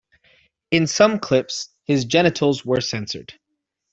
In some clips, his genitals are censored.